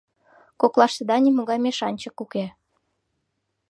Коклаштыда нимогай мешанчык уке.